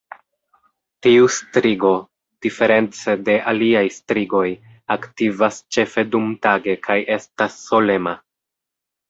Tiu strigo, diference de aliaj strigoj, aktivas ĉefe dumtage kaj estas solema.